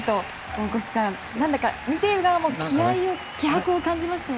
大越さん、何だか見ている側も気迫を感じましたよね。